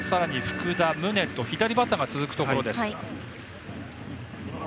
福田、宗と左バッターが続くところです。